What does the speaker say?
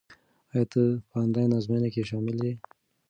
ایا ته په انلاین ازموینه کې شامل یې؟